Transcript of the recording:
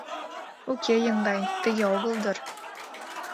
— Уке, еҥгай, тыге огыл дыр.